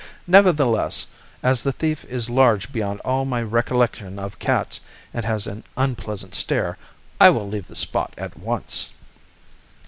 Nevertheless, as the thief is large beyond all my recollection of cats and has an unpleasant stare, I will leave this spot at once."